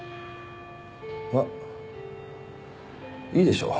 まあいいでしょう。